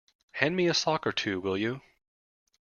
Hand me a sock or two, will you?